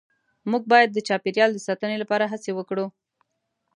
مونږ باید د چاپیریال د ساتنې لپاره هڅې وکړو